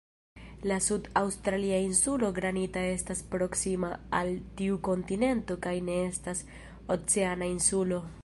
La sud-aŭstralia Insulo Granita estas proksima al tiu kontinento kaj ne estas "oceana" insulo.